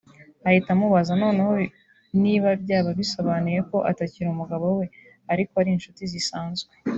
ahita amubaza noneho niba byaba bisobanuye ko atakiri umugabo we ariko ari inshuti zisanzwe